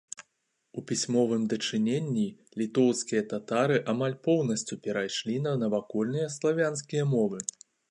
У пісьмовым дачыненні літоўскія татары амаль поўнасцю перайшлі на навакольныя славянскія мовы.